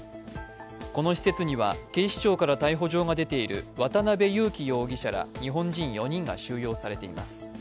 この施設には、警視庁から逮捕状が出ている渡辺優樹容疑者ら日本人４人が収容されています。